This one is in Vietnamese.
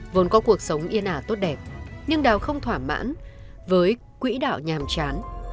vốn có cuộc sống yên ả tốt đẹp nhưng đào không thoả mãn với quỹ đảo nhàm chán